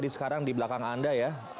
jadi sekarang di belakang anda ya